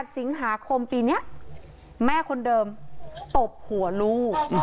สิงหาคมปีนี้แม่คนเดิมตบหัวลูก